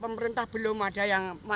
masyarakat belum ada yang bisa mencari